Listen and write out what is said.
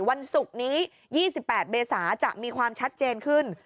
วันศุกร์นี้๒๘เมษาจะมีความชัดเจนขึ้น